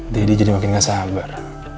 deddy jadi makin gak sabar